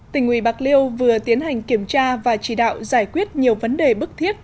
tỉnh ủy bạc liêu vừa tiến hành kiểm tra và chỉ đạo giải quyết nhiều vấn đề bức thiết